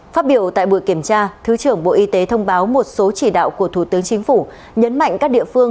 phát biểu tại buổi kiểm tra thứ trưởng bộ y tế thông báo một số chỉ đạo của thủ tướng chính phủ